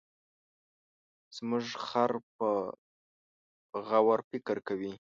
زموږ خر په غور فکر کوي.